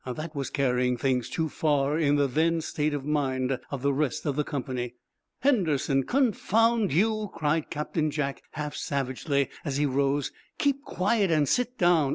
That was carrying things too far in the then state of mind of the rest of the company. "Henderson, confound you," cried Captain Jack, half savagely, as he rose, "keep quiet and sit down!